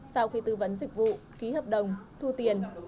sau khi tư vấn dịch vụ ký hợp đồng thu tiền